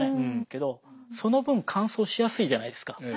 けどその分乾燥しやすいじゃないですか。